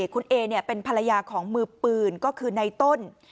คุณเอเป็นภรรยาของมือปืนก็คือในต้น